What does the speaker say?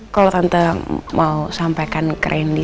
kalau tante mau sampaikan ke rendy